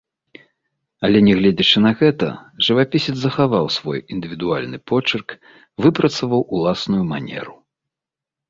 Але, нягледзячы на гэта, жывапісец захаваў свой індывідуальны почырк, выпрацаваў уласную манеру.